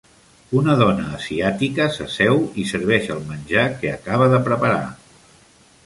Una dona asiàtica s'asseu i serveix el menjar que acaba de preparar.